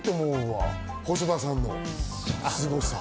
あと、細田さんのすごさ。